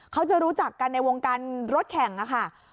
เขาจะรู้จักกันในวงการรถแข่งค่ะ